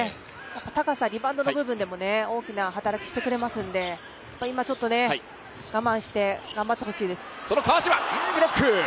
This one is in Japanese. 高さ、リバウンドの部分でも大きな働きしてくれますので今ちょっと我慢して頑張ってほしいです。